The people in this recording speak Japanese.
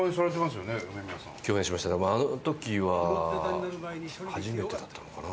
あの時は初めてだったのかな。